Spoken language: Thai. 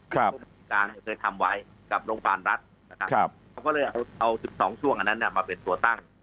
ก็เคยทำไว้กับโรงพยาบาลรัฐเขาก็เลยเอา๑๒ช่วงอันนั้นมาเป็นตัวตั้ง